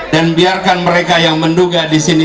dan biarkan mereka yang menduga disini